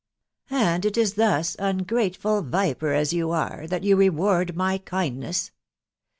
t€ And it is thus, • ungrateful viper as you are, tfcat f&k reward my kindness